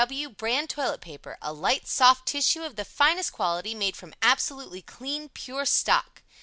P. W. Brand Toilet Paper. A light, soft tissue of the finest quality, made from absolutely clean, pure stock.